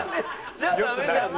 じゃあダメじゃんね。